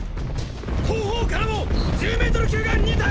後方からも１０ｍ級が２体！！